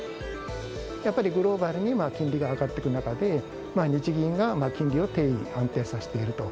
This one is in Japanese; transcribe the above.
やっぱりグローバルに金利が上がってく中で、日銀が金利を低位安定させていると。